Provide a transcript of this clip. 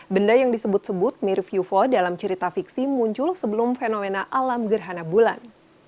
benda yang disebut sebut mirip yuvo dalam cerita fiksi muncul sebelum fenomena alam gerhana bulan